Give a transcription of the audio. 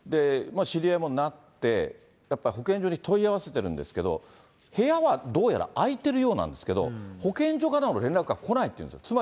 知り合いもなって、やっぱ保健所に問い合わせてるんですけど、部屋はどうやら空いてるようなんですけれども、保健所からの連絡が来ないっていうんです。